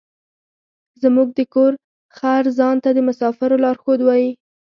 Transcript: زموږ د کور خر ځان ته د مسافرو لارښود وايي.